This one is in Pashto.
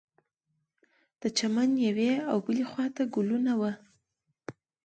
د چمن یوې او بلې خوا ته ګلونه وه.